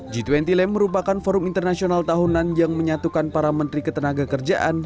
g dua puluh lem merupakan forum internasional tahunan yang menyatukan para menteri ketenaga kerjaan